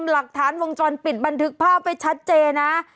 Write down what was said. หลักฐานวงจรปิดบันทึกภาพไว้ชัดเจนนะ